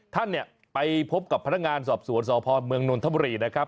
ท่านไปพบกับพนักงานสอบสวนสอบพ่อเมืองนวลธมรีนะครับ